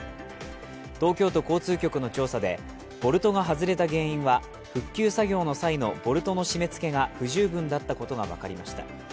東京都交通局の調査でボルトが外れた原因は復旧作業の際のボルトの締めつけが不十分だったことが分かりました。